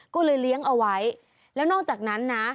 ก็เลยเลี้ยงเอาไว้แล้วนอกจากนั้นนะ